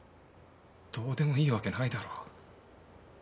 どうでもいいわけないだろう。